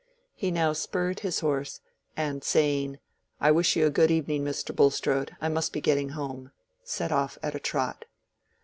He now spurred his horse, and saying, "I wish you good evening, Mr. Bulstrode; I must be getting home," set off at a trot.